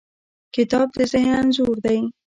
کتاب د ذهن انځور دی.